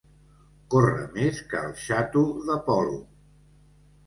Córrer més que el xato de Polop.